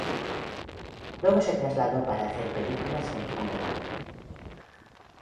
Luego se trasladó para hacer películas en Hong Kong.